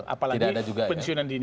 apalagi pensiunan dini